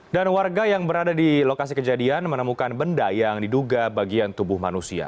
dan warga yang berada di lokasi kejadian menemukan benda yang diduga bagian tubuh manusia